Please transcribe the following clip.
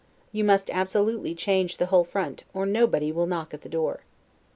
You must absolutely change the whole front, or nobody will knock at the door.